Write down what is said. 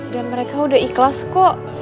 dan mereka udah ikhlas kok